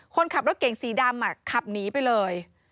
คนขับรถเก่งสีดำขับหนีไปเลย